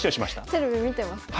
テレビ見てますか？